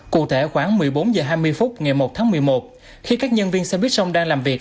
cụ thể khoảng một mươi bốn h hai mươi phút ngày một tháng một mươi một khi các nhân viên xe buýt sông đang làm việc